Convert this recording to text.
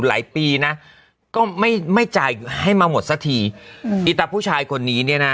หลายปีนะก็ไม่ไม่จ่ายให้มาหมดสักทีอืมอีตาผู้ชายคนนี้เนี่ยนะ